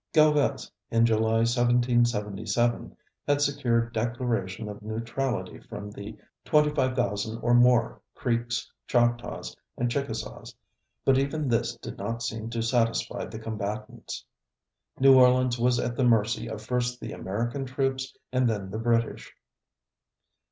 Galvez, in July, 1777, had secured declaration of neutrality from the 25,000 or more Creeks, Choctaws and Chickasaws, but even this did not seem to satisfy the combatants. New Orleans was at the mercy of first the American troops and then the British.